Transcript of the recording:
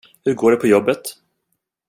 Hur går det på jobbet?